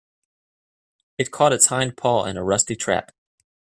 It caught its hind paw in a rusty trap.